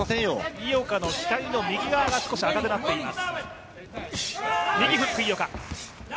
井岡の額の右側が少し赤くなっています。